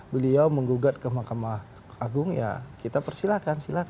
beliau menggugat ke mahkamah agung ya kita persilahkan silakan